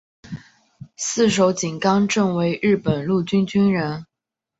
四手井纲正为日本陆军军人。